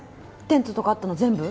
テントとかあったの全部？